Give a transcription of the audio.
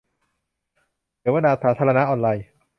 เสวนาสาธารณะออนไลน์